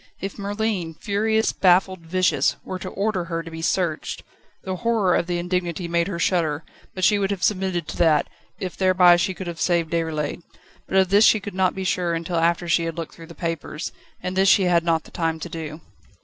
If Merlin, furious, baffled, vicious, were to order her to be searched! The horror of the indignity made her shudder, but she would have submitted to that, if thereby she could have saved Déroulède. But of this she could not be sure until after she had looked through the papers, and this she had not the time to do.